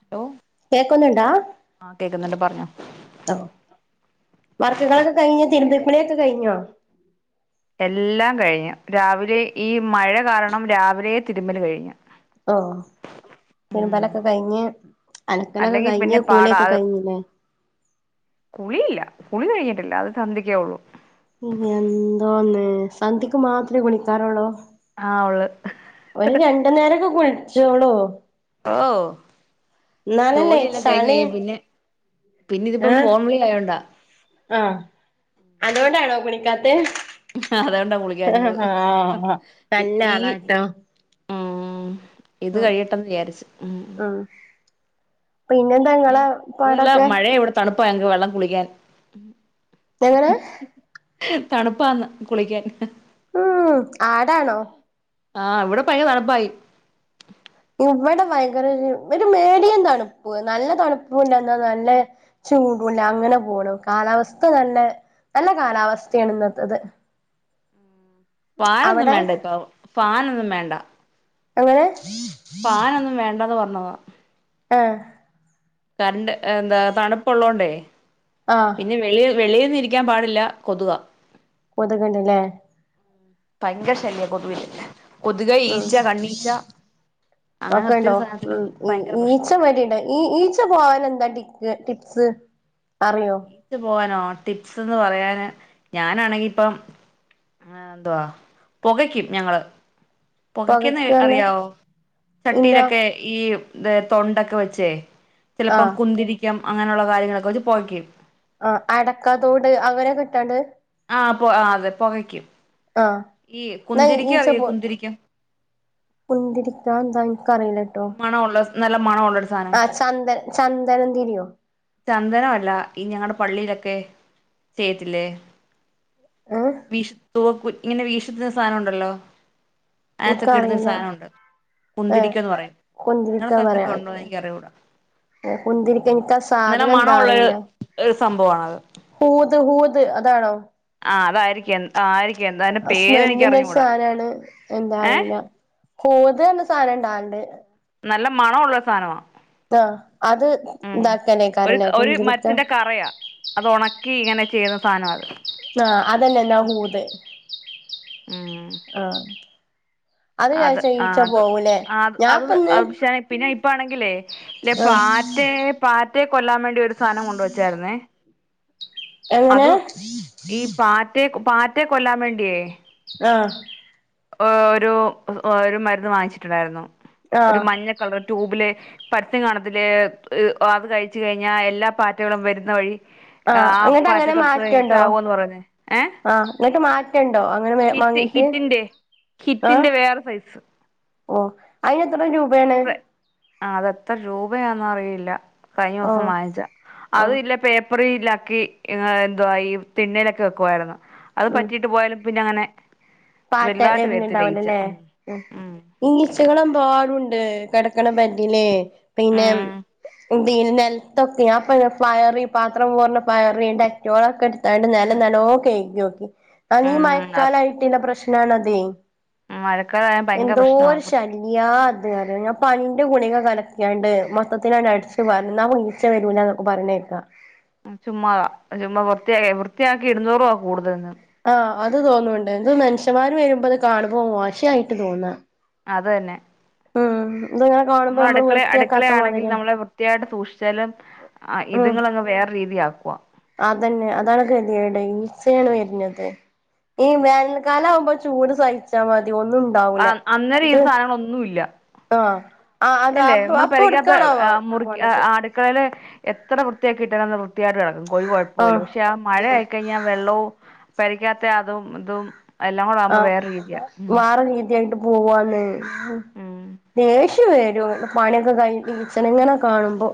Hello കേക്കുന്നുണ്ടാ ആഹ് കേക്കുന്നുണ്ട് പറഞ്ഞോ വർക്കുകളൊക്കെ കഴിഞ്ഞു തിരുമ്പിക്കുളിയൊക്കെ കഴിഞ്ഞോ എല്ലാം കഴിഞ്ഞു രാവിലെ ഈ മഴ കാരണം രാവിലേ തിരുമ്മലു കഴിഞ്ഞു ഓഹ് ഉം തിരുമ്പലൊക്കെ കഴിഞ്ഞ് അലക്കലൊക്കെ അല്ലെങ്കി കഴിഞ്ഞ് പിന്നെ പാടാ കുളിയൊക്കെ അത് കഴിഞ്ഞില്ലേ കുളിയില്ല കുളി കഴിഞ്ഞിട്ടില്ല അത് സന്ധ്യക്കേ ഒള്ളൂ എന്തോന്ന് സന്ധ്യക്ക് മാത്രേ കുളിക്കാറോള്ളോ ആ ഒള്ള് ഒര് രണ്ട് നേരൊക്കെ കുൾച്ചോളൂ ഓ ജോലിയെല്ലാം കയിഞ്ഞ് ചളി കഴിഞ്ഞാ പിന്നെ പിന്നിതിപ്പം ഏ ഫോൺ വിളി ആയോണ്ടാ ആ അതുകൊണ്ടാണോ കുളിക്കാത്തേ അതുകൊണ്ടാ കുളിക്കാഞ്ഞത് ആ ഈ നല്ലാളാട്ടോ ഉം ഇത് കഴിയട്ടന്ന് വിചാരിച്ചു ഉം ആ പിന്നെന്താ പിന്നെ ഇങ്ങളെ അതു അല്ല പാടൊക്കെ മഴയാ ഇവടെ തണുപ്പാ ഞങ്ങക്ക് വെള്ളം കുളിക്കാൻ എങ്ങനെ തണുപ്പാന്ന് കുളിക്കാൻ ഉം ആടാണോ ആ ഇവടെ ഭയങ്കര തണുപ്പായി ഇവടെ ഭയങ്കര ഒര് ഒര് മേഡിയം തണുപ്പ് നല്ല തണുപ്പുല്ല ന്നാ നല്ല ചൂടുല്ല അങ്ങന പോണു കാലാവസ്ഥ നല്ല നല്ല കാലാവസ്ഥയാണ് ഇന്നത്തത് ഫാനൊന്നും അവിടെ വേണ്ട ഇപ്പൊ ഫാനൊന്നും വേണ്ട എങ്ങനെ ഫാനൊന്നും വേണ്ടാന്ന് പർഞ്ഞതാ ആഹ് കര്ണ്ട് എന്താ തണുപ്പുള്ളോണ്ടേ ആ പിന്നെ വെളി വെളീന്ന് ഇരിക്കാം പാടില്ല കൊതുകാ കൊത്ക്ണ്ട് ലെ ഭയങ്കര ശല്യാ കൊതുകിന്റെ കൊതുക് ഉം ഈച്ച കണ്ണീച്ച അങ്ങന ഒക്കെണ്ടോ ഒത്തിരി സാനത്തിന്റെ ഉം ഭയങ്കര ഈച്ച പ്രശ്നാ വടിണ്ട് ഈ ഈച്ച പോവാന എന്താ ടിക്ക് ടിപ്സ് അറിയോ ഈച്ച പോവാനോ ടിപ്സ്ന്ന് പറയാന് ഞാനാണെങ്കി ഇപ്പം ആ എന്തുവാ പൊകയ്ക്കും ഞങ്ങള് പൊകക്ക്ന്നെ പൊകക്ക് പറഞ്ഞ അറിയാവോ ഇല്ല ചട്ടീലൊക്കെ ഈ ത് തൊണ്ടക്കെ വെച്ചേ ചെലപ്പം ആഹ് കുന്തിരി ക്യം അങ്ങനള്ള കാര്യങ്ങളൊക്കെ വച്ച് പൊകക്യും ആ അടക്കാതോട് അങ്ങനക്ക ഇട്ടാണ്ട് ആ പൊ അതെ പൊകയ്ക്കും ആ ഈ കുന്തിരിക്കം അറിയോ കുന്തിരിക്കം കുന്തരിക്ക അതന്താ ഇൻക്കറീല മണോള്ള നല്ല മണോള്ള ആ ചന്ദ ചന്ദനം തിരിയോ ചന്ദനം അല്ല ഈ ഞങ്ങട പള്ളീലൊക്കെ ചെയ്യത്തില്ലേ ഏ വീഷ് തൂവക്കു ഇങ്ങനെ വീശുന്ന സാനം ഉണ്ടല്ലോ അങ്ങൻത്തൊക്കെ ഇട്ന്നൊരു എനിക്കറിയില്ല സാനൊണ്ട് ഏ കുന്തിരിക്കന്ന് പറയും നിങ്ങളെ കുന്തിരിക്ക സ്ഥലത്തൊക്കെ പറയാ [unintelligible] എ കുന്തിരിക്ക ഇൻക്കാ നല്ല സാധനം എന്താ മണമുള്ളൊരു അറീല ഒരു സംഭവാണത് ഹൂത് ഹൂത് അതാണോ ആ അതായിരിക്കും ആയിരിക്കും എന്താ അതിന്റെ സ് പേരെനിക്ക് നെന്നിന്റെ അറിഞ്ഞൂടാ സാന ആണ് എന്താ ഏ അറില. ഹോത് സാനം ഇണ്ടാവെലണ്ട്. നല്ല മണ ഉള്ള സാനമാ. ആ അത് ഇതാക്കാനേക്കരല്ലേ കുന്തിരിക. പറയാ അത് ഉണക്കി ഇങ്ങനെ ചെയ്യുന്ന സാന അത് ആഹ് അതന്നെ ന്നാഹുത് ഉം ആഹ് അത് തേച്ച ആ ഈച്ച അത് പോവൂലേ ആ അത് അത് ഞാപ്പന്ന് പക്ഷെ പിന്നെ ഇപ്പാണെങ്കിലേ ഇല്ലെ ആ പാറ്റെ പാറ്റയെ കൊല്ലാൻ വേണ്ടി ഒരു സാനം കൊണ്ട് വച്ചായിരുന്നേ. എങ്ങനെ അതും ഈ പാറ്റെ പാറ്റെ കൊല്ലാൻ വേണ്ടിയേ ആഹ് ഒരു ഒരു മരുന്ന് വാങ്ങിച്ചിട്ടുണ്ടായിരുന്നു ആ ഒരു മഞ്ഞ കളർ ട്യൂബില്. പച്ച കാണത്തിലെ അത് കഴിച്ചു കഴിഞ്ഞാ എല്ലാ പാറ്റകും വരുന്ന വഴി. ആ ആ അങ്ങട്ട് പാറ്റ അങ്ങനെ ക്ളീൻസ് മാറ്റണ്ടോ ആവോന്ന് പറയുന് ഏഹ് ആഹ് എന്ന ട്ട് മാറ്റണ്ടോ അങ്ങനെ മാങ്ങിട്ട് ഹിറ്റിന്റെ ആ. ഹിറ്റിന്റെ വേറെ സൈസ് ഓ അയിന് എത്ര രൂബേണ് അതെത്ര രൂപയാന് അറിയില്ല കഴിഞ്ഞ ഒസം ഓഹ് വാങ്ങിച്ച അത ഓഹ് ഇല്ല പേ പ്പറിലാക്കി എന്തുവാ ഈ പിന്നിലൊക്കെ വെക്കുവായിരുന്നു. അത് ഉം പറ്റിയിട്ട് പോയാലും പിന്നെ അങ്ങനെ പാറ്റ വലുതായിട്ട് വെര്ന് വരത്തില്ല ഈച്ച ണ്ടാവൂലല്ലേ ഉം ഉം ഇങ്ങീച്ചകളെമ്പാടുണ്ട് കെടക്ണ ബെഡില് പിന്നെ ഉം പിന്നെ നെലത്തൊക്കെ പയറി പാത്രം പോർണ പയറി ഡറ്റോളൊക്കെ എട് ഞാനിന്റെ നെലം നല്ലോ കെയിഗി ഓകി ഉം മയക്കളായിട്ട് ഇല്ല പ്രശ്നണത്. മഴക്കാലയാ എന്തോരു ശ യ അത് ഞാൻ പനിന്റെ ഗുണിക കലക്യാണ്ട് മൊത്തത്തിലാണ് അടിച്ചു പാർന്ന്ന്നാ. ച്ച വരൂല്ലനോക്കെ പറി ണേക്ക. ചുമ്മാ ചുമ്മാ വൃത്തിയാ വൃത്തിയാക്കി ഇട് ന്നൂറൂവാ കൂടുതൽന്ന് ആഹ് അത് തോന്നുന്നുണ്ട് എന്ത് മനുഷ്യമാര് വരുമ്പോ അത് കാണുപോ മോശയിട്ട് തോന്നാ. അത് തന്നെ. ഉം ഇത് ഞാ നമ്മൾ അടുക്കളെ അടുക്കളയാണെങ്കിൽ നമ്മളെ വൃത്തിയായിട്ട് സൂക്ഷിച്ചാലും. ആ ഉം ഇതുങ്ങങ് വേറെ രീതി ആക്കുവ അതന്നെ അതാണ് കേത്യേഡ് ഈചേണ് വര്ണത്. ഈ വേനൽക്കാല ആവുമ്പോ ചൂട് സഹിച്ചാ മതി ഒന്നും ഉണ്ടാവൂല അന്നേരം ഈ ഇത് സാനങ്ങളൊന്നും ഇല്ല. ആഹ് ആഹ് അതാ അല്ലേ അപ്പൊ നമ്മള് അപ്പൊ പരിക്കാത്ത എവിട്ക്കാണാവോ മുറി പോണത് ആട മക്കള എത്ര വൃത്തിയാക്കിട്ടാലുംന്ന് വൃത്തിയായിട്ട് കെടക്കും കോഴി ആഹ് കുഴപ്പമില്ല പക്ഷെ ആ മഴയയി കഴിഞ്ഞാൽ. വെള്ളും പരിക്കാത്ത അതും ഇതും. എല്ലാം കൂടെ ആകുമ്പോ ആഹ് വേറെ രീതിയാ ഉം വാറെ രീതിയായിട്ട് പോവന്ന് ഉം ദേഷ് വരും പണിയൊക്കെ കൈ ഈച്ചനെ ഇങ്ങനെ കാണുമ്പോ.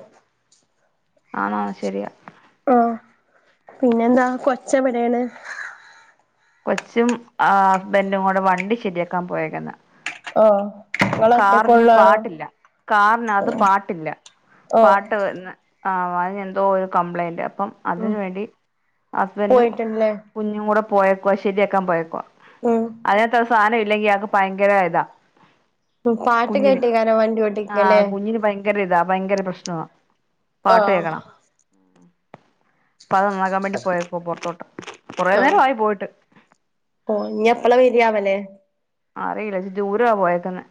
ആണാ ശെരിയ. ആഹ് പിന്നെന്താ കൊച്ചവിടെണ്. കൊച്ചും ആഹ് ഹസ്ബൻഡും കൂടെ വണ്ടി ശെരിയാക്കാൻ പോയേക്ക്ന്ന്. ആഹ് കാറിന് ഇങ്ങളൊറ്റക്കൊള്ളാണോ പാട്ടില്ല കാറിനകത്ത് പാട്ടില്ല. ഓഹ് പാട്ട് വന്ന് ആഹ് അതിനെന്തോ ഒരു കംപ്ലൈയിന്റ് അപ്പം. ഉം അതിന് വേണ്ടി ഹസ്ബൻഡും. പോയിട്ട്ണ്ട്ല്ലേ കുഞ്ഞും കൂടെ പോയപ്പോ ശെരിയാക്കാൻ പോയപ്പോ ഉം അതിനകത്ത് സാധനം ഇല്ലെങ്കിൽ ആയാക്ക് ഭയങ്കര ഇതാ. ഉം പാട്ട് കുഞ്ഞിന് കേട്ടേക്കാരം വണ്ടി ആഹ് ഓട്ടിക്കല്ലേ കുഞ്ഞിന് ഭയങ്കര ഇതാ ഭയങ്കര പ്രശ്നാ പാട്ട് ആഹ് കേക്കണം അപ്പൊ അത് നന്നാക്കാൻ വേണ്ടി പോയപ്പോ പൊറത്തോട്ട് കുറേ നേരം ആയി പോയിട്ട് [unintelligible] വേരിയാവല്ലേ [unintelligible] ദൂരയാ പോയെക്കുന്നെ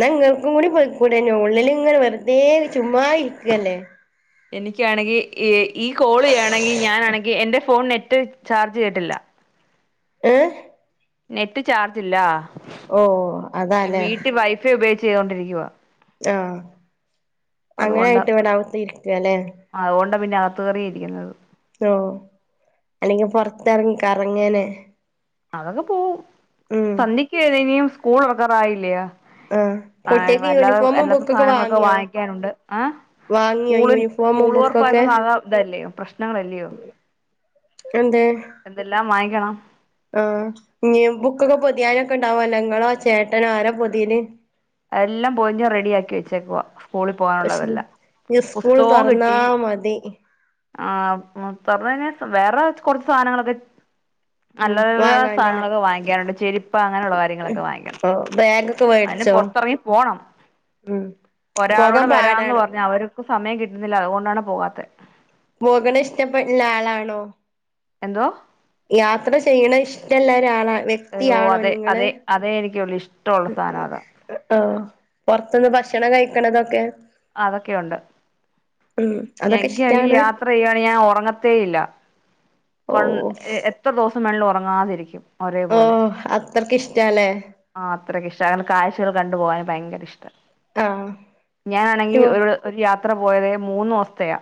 എന്ന ഇങ്ങൾക്കും കൂടി പോയിക്കൂടെനോ ഉള്ളിൽ ഇങ്ങനെ വെറുതേ ചുമ്മാ ഇരിക്കല്ലേ എനിക്കാണെങ്കിൽ ഈ കോള് ചെയ്യാണെങ്കിൽ ഞാനാണെങ്കിൽ എന്റെ ഫോൺ നെറ്റ് ചാർജ് ചെയ്തിട്ടില്ല ഏഹ് നെറ്റ് ചാർജ്ല്ല ഓഹ് അതാല്ലേ വീട്ടിൽ വൈഫൈ ഉപയോഗിച്ച് ചെയ്തോണ്ടിരിക്കുവല്ലേ ആഹ് അങ്ങനായിട്ട് ഇവിടെകത്തെ ഇരിക്ക അല്ലെ ആഹ് അതുകൊണ്ട പിന്നെ അകത്ത് കേറിയിരിക്കുന്നത് ഓഹ് അല്ലെങ്കിൽ പൊറത്തിറങ്ങിക്കറങ്ങനെ അതങ്ങു പോകും സന്ധ്യക്ക് ഏതനിയും സ്കൂൾ തൊറക്കാറായില്ലയ ആഹ് ആഹ് കുട്ടിയക്ക് വല്ലാ യൂണിഫോമും വല്ലാത്ത ബുക്കൊക്കെ സാധനങ്ങളൊക്കെ വാങ്ങിയോ വാങ്ങിക്കാനുണ്ട് ആഹ് വാങ്ങിയോ സ്കൂളി യൂണിഫോമും സ്കൂൾ ബുക്കൊക്കെ തൊറപ്പായപ്പോ ആകാം ഇതല്ലയോ പ്രശ്നങ്ങളല്ലയോ എന്തേ എന്തെല്ലാം വാങ്ങിക്കണം ആഹ് ഈ ബുക്കൊക്കെ പൊതിയാനൊക്കെ ഉണ്ടാവല്ലോ ഇങ്ങളെ ചേട്ടനോ ആരാ പൊതിയല് എല്ലാം പോതിഞ്ഞ് റെഡി ആക്കി വെച്ചേക്ക സ്കൂളിൽ പോകാനുള്ളതെല്ലാം ഈ സ്കൂള് പുസ്തകവും തുറന്നാ കിട്ടി മതി ആഹ് [unintelligible] വേറെ കൊറച്ച് സാധനങ്ങളൊക്കെ ഉം അല്ലറചില്ലറ വാങ്ങാണ്ടിന് സാധനങ്ങളൊക്കെ വാങ്ങിക്കാനുണ്ട് ചെരുപ്പ് അങ്ങനെയുള്ള കാര്യങ്ങളൊക്കെ വാങ്ങിക്കണം ഓ ബാഗൊക്കെ അതിന് മേടിച്ചോ പുറത്ത് പൊത്തിറങ്ങി പോണം ഉം ഒരാളോടെ പോകാൻ വരാന്ന് പാടാണോ പറഞ്ഞ് അവര് ഇ സമയം കിട്ടുന്നില്ല അതുകൊണ്ടാണ് പോകാത്തെ പോകണ ഇഷ്ടപ്പെടുന്ന ആളാണോ എന്തോ യാത്ര ചെയ്യണ ഇഷ്ടള്ള ഒരാളാണാ അയ്യോ വ്യക്തിയാണോ അതെ നിങ്ങള് അതെ അതേ എനിക്ക് ഇഷ്ടമുള്ള സാധനം അതാ ആഹ് പൊറത്ത്ന്ന് ഭക്ഷണം കഴിക്കണതൊക്കെ അതൊക്കെയുണ്ട് ഉം അതൊക്കെ [unintelligible] ഇഷ്ടാണ് യാത്ര ചെയ്യുവാണെങ്കിൽ ഞാൻ ഉറങ്ങത്തേ ഇല്ല കൊൺ ഓഹ് എത്ര ദിവസം വേണേലും ഉറങ്ങാതിരിക്കും ഒരേപോലെ ഓഹ് അത്രക്ക് ഇഷ്ടാല്ലേ ആഹ് അത്രയ്ക്ക ഇഷ്ട അങ്ങനെ കാഴ്ചകൾ കണ്ടുപോകാന് ഭയങ്കര ഇഷ്ട ആഹ് ഞാനാണെങ്കി ടൂ ഒരു ആഹ് ഒരു യാത്ര പോയത് മൂന്ന് ദിവസത്തയാ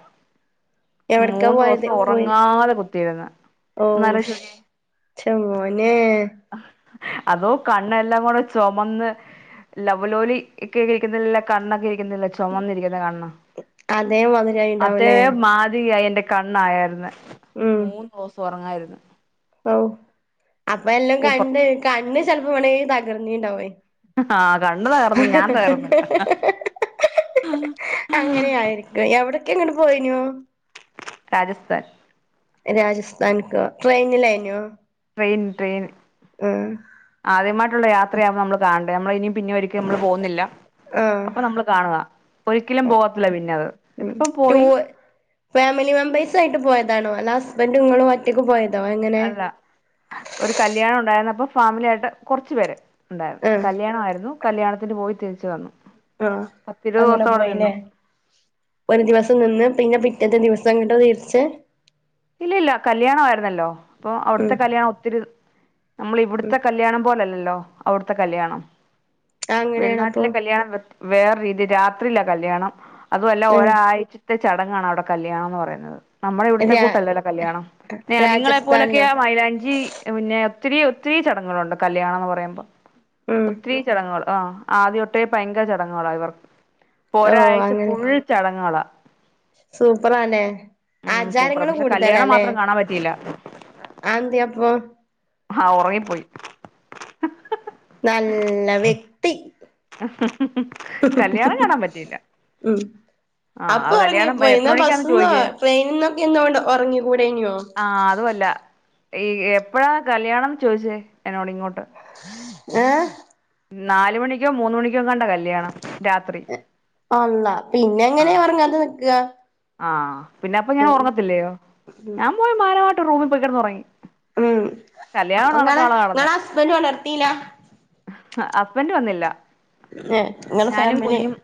മൂന്ന് ദിവസം ഉറങ്ങാതെ കുത്തി ഓഹ്ശ് ച്ചമോനെ അതോ കണ്ണെല്ലാം കൂടെ ചുമന്ന് ലവലോലി ഒക്കെ കഴിക്കുന്നില്ല കണ്ണൊക്കെ കഴിക്കുന്നില്ല ചുമന്നിരിക്കുന്ന കണ്ണ് അതേ അതേ മാതിരിയായിണ്ടാവുല്ലേ മാതിരിയായി എന്റെ കണ്ണായായിരുന്ന് മൂന്ന് ദിവസം ഉറങ്ങായിരുന്നു ഓ അപ്പ എല്ലാം സൂപ്പർ കണ്ട് കണ്ണ് ചെലപ്പോ വേണെങ്കി തകർന്നീണ്ടാവുവേ ആഹ് കണ്ണ് തകർന്ന് ഞാൻ തകർന്നില്ല അങ്ങനെയായിരിക്കും എവിടേക്ക് എങ്ങെനെ പോയിനു രാജസ്ഥാൻ രാജസ്ഥാനിക്കോ ട്രെയിനില അനോ ട്രയിൻ ട്രെയിൻ ഉം ആദ്യമായിട്ടുള്ള യാത്രയാ നമ്മള് കാണണ്ടേ നമ്മള് ഇനിയും പിന്നെ ഒരിക്കും നമ്മള് പോകുന്നില്ല ആഹ് അപ്പൊ നമ്മള് കാണുക ഒരിക്കലും പോവത്തില്ല പിന്നെ അത് ഉം ഇതിപ്പം ടൂ പോയി- ഫാമിലി മെമ്പേഴ്സ് ആയിട്ട് പോയതാണോ അല്ലാതെ ഹസ്ബൻഡ് നിങ്ങളും ഒറ്റക്ക് പോയതോ എങ്ങനെ അല്ല ഒരു കല്യാണം ഒണ്ടായിരുന്നു അപ്പൊ ഫാമിലി ആയിട്ട് കൊറച്ചു പേര് ഒണ്ടായിരുന്നു ആഹ് കല്യാണ ആയിരുന്നു കല്യാണത്തിന് പോയി തിരിച്ചു വന്നു ആഹ് പത്തിരുപത് അങ്ങനെ ദിവസം അവിടെ പോയിനെ നിന്നു ഒരു ദിവസം നിന്ന് പിന്നെ പിറ്റെത്തെ ദിവസം അങ്ങോട്ട് തിരിച്ച് ഇല്ല ഇല്ല കല്ലിയാണം ആയിരുന്നല്ലോ അപ്പൊ അവിടുത്തെ ഉം കല്യാണം ഒത്തിരി- നമ്മള് ഇവിടുത്തെ കല്യാണം പോലെ അല്ലല്ലോ അവിടുത്തെ കല്യാണം അങ്ങനെയാണ് അപ്പൊ വെളിനാട്ടിലെ കല്യാണം വേറെ രീതിയിലാ രാത്രിലാ കല്യാണം അതുമല്ല ഉം ഒരാഴ്ച- ത്തെ ചടങ്ങാണ് അവിടെ കല്യാണം എന്ന് പറയുന്നത് നമ്മുടെ ഇവിടുത്തെ രാ കൂട്ട് - അല്ലല്ലോ കല്യാണം പിന്നെ നിങ്ങളെ രാജസ്ഥാനിലോ പോലൊക്കെയ മൈലാഞ്ചി- അതിനു മുന്നേ ഒത്തിരി ഒത്തിരി ചടങ്ങുകളുണ്ട് കല്ലിയാണം എന്ന് പറയുമ്പോ ഉം ഒത്തിരി- ചടങ്ങുകൾ ആ ആദ്യ തൊട്ടേ ഭയങ്കര ചടങ്ങുകളാണ് ഇവർക്ക് ഓഹ് ഒരാഴ്ച അങ്ങനെയൊക്കെ ഫുൾ- ചടങ്ങുകളാ സൂപ്പറാല്ലേ ഉം സൂപ്പറാ ആചാരങ്ങള് പക്ഷെ കൂടുതല കല്യാണം അല്ലേ മാത്രം കാണാൻ പറ്റിയില്ല ആ [unintelligible] തി അപ്പൊ ആഹ ഒറങ്ങിപ്പോയി നല്ല വ്യക്തി കല്യാണം കാണാൻ പറ്റിയില്ല ഉം ആ അപ്പൊ അത് കല്യാണം എത്ര ഒറങ്ങിപ്പോയിന്ന മണിക്കാന്ന് ബസ്സിന്നോ ചോദിക്ക് ട്രെയിനിൽന്നൊക്കെ എന്തൊണ്ട് ഒറങ്ങി കൂടിയേനിയോ ആഹ് അതുമല്ല ഈ എപ്പഴാ കല്യാണം എന്ന് ചോദിച്ചേ എന്നോട് ഇങ്ങോട്ട് ഏഹ് നാല് മണിക്കോ മൂന്ന് മണിക്കോ എങ്ങാണ്ട കല്യാണം രാത്രി അല്ലാ പിന്നെ എങ്ങനെയാ ഒറങ്ങാത നിക്കുക ആഹ് പിന്നെ അപ്പൊ ഞാൻ ഉം ഒറങ്ങത്തില്ലയോ ഉം ഞാൻ പോയി മാനവായിട്ട് റൂമിൽ പോയി കെടന്ന് ഒറങ്ങി ഉം അപ്പൊ നിങ്ങളെ നിങ്ങളെ ഹസ്ബൻഡ്‌ ഒണർത്തിലോ ഹസ്ബന്റ് വന്നില്ല ഏഹ് ഇങ്ങളെ ഞാനും ഫാമിലി കുഞ്ഞും-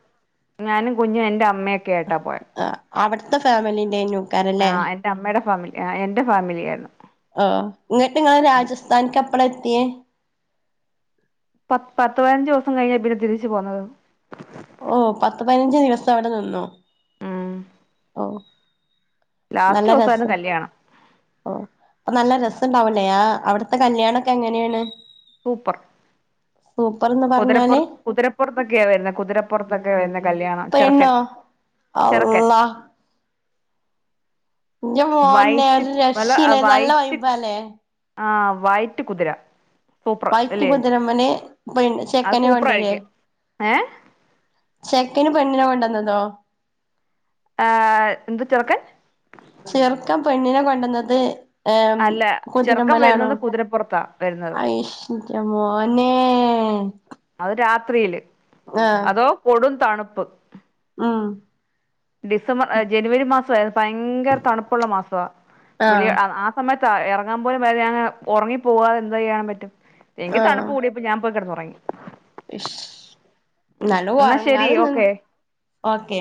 ഞാനും കുഞ്ഞും എന്റെ അമ്മയൊക്കെ ആയിട്ടാ പോയെ ആ അവിടുത്തെ ഫാമിലിന്റെയാ ഈ ന്യൂക്കാര് ആ ഇല്ലേ എന്റെ അമ്മയുടെ ഫാമിലി ആ എന്റെ ഫാമിലി ആയിരുന്നു ആഹ് ഇങ്ങോട്ട് നിങ്ങള് രാജസ്ഥാനിക്ക് എപ്പളാ എത്തിയെ പത്ത് പത്ത് പതിനഞ്ച് ദെവസം കഴിഞ്ഞാ ഇവര് പ തിരിച്ചു പോന്നത് ഓഹ് പത്ത് പതിനഞ്ച് ദിവസം അവിടെ നിന്നോ ഉം ഓ നല്ല ലാസ്റ്റ് ദിവസായിരുന്നു രസം കല്യാണം ഓഹ് അപ്പൊ നല്ല രസവുണ്ടാവലേ അവിടുത്തെ കല്യാണൊക്കെ എങ്ങനെയാണ് സൂപ്പർ സൂപ്പർ എന്നോ കുതിരപ്പോർ കുതിരപ്പുറത്തൊക്കെയ വരുന്ന് കുതിരപ്പുറത്തൊക്കെ വരുന്ന കല്യാണം ചെറ്ക്കൻ അളളാ ഇൻ്റെ മോന്നെ വൈറ്റ് ഒരു രക്ഷയില്ലര് നല്ല വൈമ്പല്ലേ? ആഹ് വൈറ്റ് കുതിര. സൂപ്പർ വൈറ്റ് അല്ലേ കുതിരമ്മന് പെണ്ണ് അത് ചെക്കനെ കൊണ്ടരേ? സൂപ്പറായിരിക്കും ഏ ചെക്കന് പെണ്ണിനോ കൊണ്ടന്നതോ? ആഹ് എന്ത് ചെറ്ക്കൻ? ചെർക്കം പെണ്ണിനെ കൊണ്ടന്നത്. ഏം അല്ല ചെറുക്കൻ കുതിരമ്മലണോ? വരുന്നത് കുതിരപ്പുറത്താ വരുന്നത് അയിഹി ഇൻ്റമോനേ അത് രാത്രിയില് അതോ കൊടും തണുപ്പ്. ഉും ഡിസംബ ആ ജനുവരി മാസ ഭയങ്കര തണുപ്പുള്ള മാസാ വെളിയ ആഹ് ആഹാ സമയത്ത് ഇറങ്ങാൻ പോലും വയ്യങ് ഉറങ്ങി പോവാതെന്ത്ചെയ്യാൻ പറ്റും. എങ്കി തണുപ്പ് കൂടി ഞാൻ പോയി കിടന്ന് ഉറങ്ങി. ശ് ശ് നല്ലം ശരി ഉറങ്ങാതെന്ന് ഓക്കെ ഓക്കേ